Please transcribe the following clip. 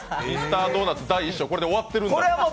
ミスタードーナツ第１章これで終わってるんや。